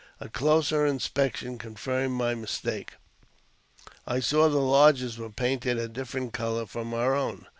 A closerjl inspection confirmed my mistake ; I saw the lodges were painted a different colour from our own.